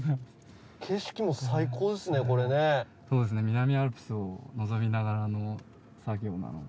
南アルプスを望みながらの作業なので。